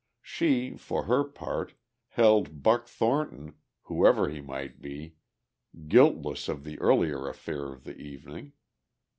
She for her part, held Buck Thornton, whoever he might be, guiltless of the earlier affair of the evening.